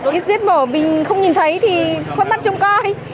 cái giết mổ mình không nhìn thấy thì khuất mắt chôm coi